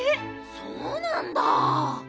そうなんだあ。